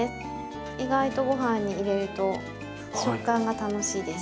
意外とご飯に入れると食感が楽しいです。